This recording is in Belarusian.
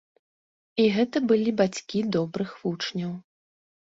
І гэта былі бацькі добрых вучняў.